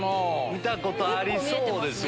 見たことありそうですよね。